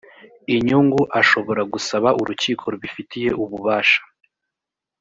inyungu ashobora gusaba urukiko rubifitiye ububasha